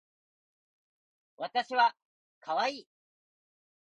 わたしはかわいい